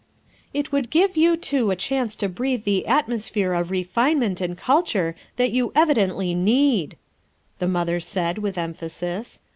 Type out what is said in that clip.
" "It would give you two a chance to breathe the atmosphere of refinement and culture that you evidently need," the mother said with emphasis.